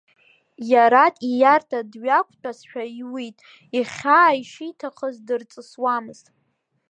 Иараҭ ииарҭа дҩықәтәазшәа иуит, ихьаа ишиҭахыз дарҵысуамызт.